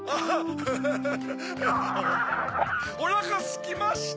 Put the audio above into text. グゥおなかすきました！